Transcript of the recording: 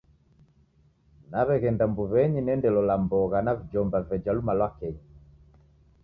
Naw'eghenda mbuw'enyi niende lola mbogha na vijomba veja luma lwa kenyi.